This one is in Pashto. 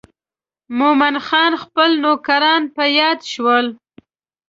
مومن خان خپل نوکران په یاد شول.